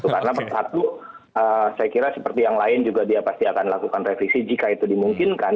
karena pertama saya kira seperti yang lain juga dia pasti akan lakukan revisi jika itu dimungkinkan